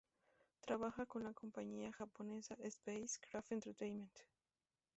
Trabaja con la compañía japonesa "Space Craft Entertainment".